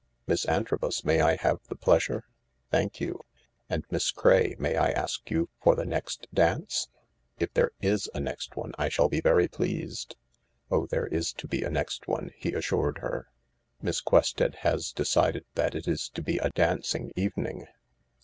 Miss Antrobus, may I have the pleasure ? Thank you. And Miss Craye, may I ask you for the next dance ?"" If there is a next one, I shall be very pleased." " Oh, there is to be a next one," he assured her. " Miss Quested has decided that it is to be a dancing evening."